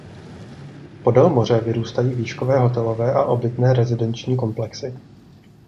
Podél moře vyrůstají výškové hotelové a obytné rezidenční komplexy.